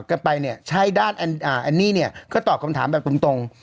กันไปเนี่ยใช่ด้านแอนนี่เนี่ยก็ตอบคำถามแบบตรง